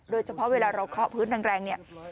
โดยเฉพาะเวลาเราเคาะพื้นแรงเนี่ย